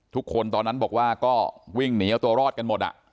ทุกคนตอนนั้นบอกว่าก็วิ่งหนีเอาตัวรอดกันหมด